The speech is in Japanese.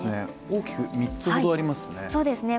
大きく３つほどありますね。